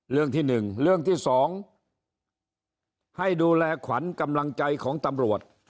เรื่องที่๑เรื่องที่๒ให้ดูแลขวัญกำลังใจของตำรวจ